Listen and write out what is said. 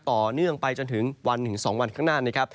ก็จะมีการแผ่ลงมาแตะบ้างนะครับ